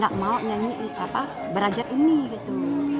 apa artinya musik tradisional buat ibu